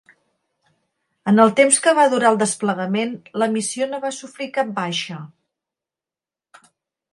En el temps que va durar el desplegament, la missió no va sofrir cap baixa.